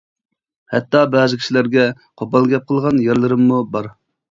ھەتتا بەزى كىشىلەرگە قوپال گەپ قىلغان يەرلىرىممۇ بار.